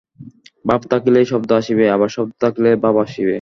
ভাব থাকিলেই শব্দ আসিবে, আবার শব্দ থাকিলেই ভাব আসিবে।